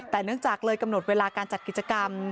แต่เนื่องจากเลยกำหนดเวลาการจัดกิจกรรม